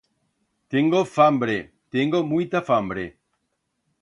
Tiengo fambre, tiengo muita fambre!